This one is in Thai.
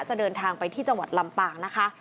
เดินทางไปที่จังหวัดลำปางนะคะ